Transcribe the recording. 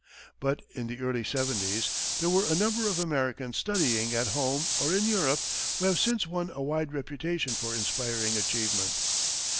But in the early seventies, there were a number of Americans studying at home or in Europe who have since won a wide reputation for inspiring achievement.